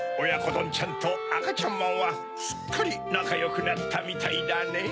どんちゃんとあかちゃんまんはすっかりなかよくなったみたいだねぇ。